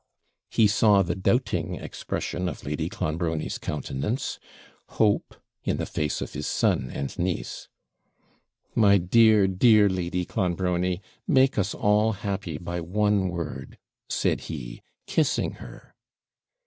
He saw the doubting expression of Lady Clonbrony's countenance hope in the face of his son and niece. 'My dear, dear Lady Clonbrony, make us all happy by one word,' said he, kissing her.